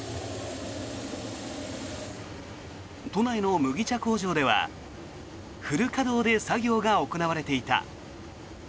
都内の麦茶工場ではフル稼働で作業が行われていた。